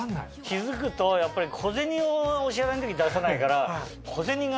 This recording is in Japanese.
気付くとやっぱり小銭をお支払いの時出さないから。